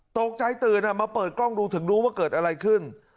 ตกใจตื่นมาเปิดกล้องดูถึงรู้ว่าเกิดอะไรขึ้น